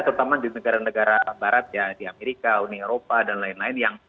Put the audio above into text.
terutama di negara negara barat ya di amerika uni eropa dan lain lain